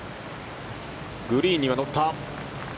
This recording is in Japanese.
グリーンには乗った。